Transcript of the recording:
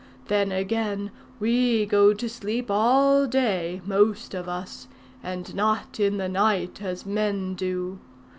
Then again, we go to sleep all day, most of us, and not in the night, as men do.